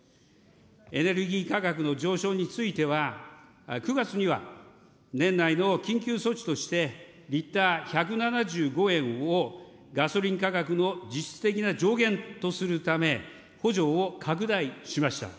エネルギー価格の上昇については、９月には、年内の緊急措置として、リッター１７５円をガソリン価格の実質的な上限とするため、補助を拡大しました。